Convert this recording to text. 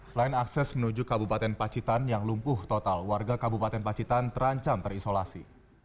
selain akses menuju kabupaten pacitan yang lumpuh total warga kabupaten pacitan terancam terisolasi